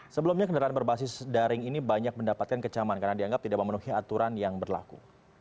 sebelumnya kendaraan berbasis daring ini banyak mendapatkan kecaman karena dianggap tidak memenuhi aturan yang berlaku